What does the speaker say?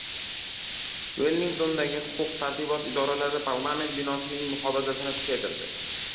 Vellingtondagi huquq-tartibot idoralari parlament binosining muhofazasini kuchaytirdi